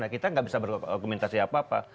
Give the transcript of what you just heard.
kita nggak bisa berogumentasi apa apa